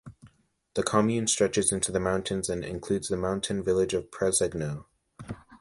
The commune stretches into the mountains and includes the mountain village of Presegno.